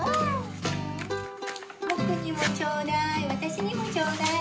ぼくにもちょうだい。